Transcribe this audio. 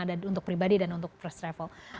ada untuk pribadi dan untuk first travel